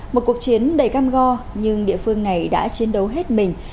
một cuộc chiến đầy cam go nhưng địa phương này đã chiến đấu hết mình